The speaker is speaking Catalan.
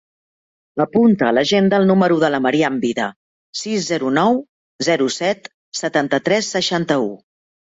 Apunta a l'agenda el número de la Maryam Vida: sis, zero, nou, zero, set, setanta-tres, seixanta-u.